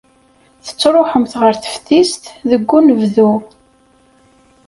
Tettruḥumt ɣer teftist deg unebdu.